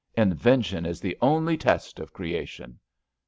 Invention is the only test of creation.'